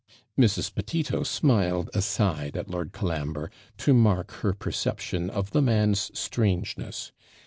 Mrs. Petito smiled aside at Lord Colambre, to mark her perception of the man's strangeness.